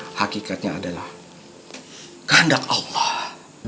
karena hakikatnya adalah kehendak allah